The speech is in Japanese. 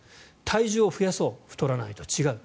体重を増やそう太らないとは違う。